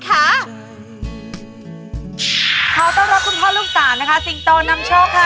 ขอต้อนรับคุณพ่อลูกสามนะคะสิงโตนำโชคค่ะ